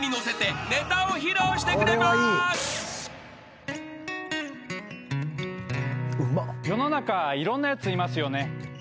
世の中いろんなやついますよね。